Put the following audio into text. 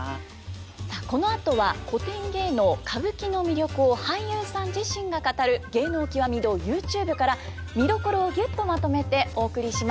さあこのあとは古典芸能歌舞伎の魅力を俳優さん自身が語る「芸能きわみ堂ＹｏｕＴｕｂｅ」から見どころをギュッとまとめてお送りします。